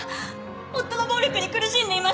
夫の暴力に苦しんでいました。